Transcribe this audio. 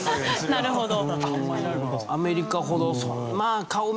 なるほど。